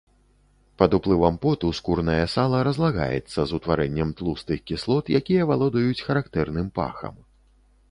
Пад уплывам поту скурнае сала разлагаецца з утварэннем тлустых кіслот, якія валодаюць характэрным пахам.